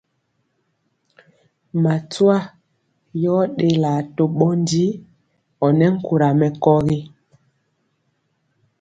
Matwa yɔ ɗelaa to ɓɔndi ɔnɛ nkura mɛkɔgi.